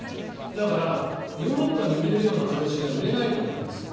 だから、ヨーロッパに売れるような形では売れないと思います。